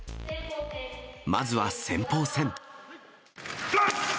まずは先鋒戦。